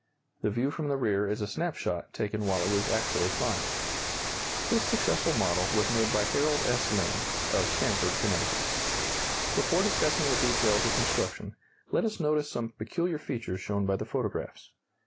The view from the rear is a snap shot taken while it was actually flying. This successful model was made by Harold S. Lynn, of Stamford, Conn. Before discussing the details of construction, let us notice some peculiar features shown by the photographs.